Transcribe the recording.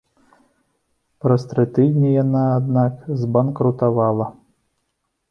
Праз тры тыдні яна, аднак, збанкрутавала.